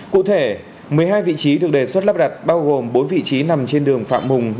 cụ thể một mươi hai vị trí được đề xuất lắp đặt bao gồm bốn vị trí nằm trên đường phạm hùng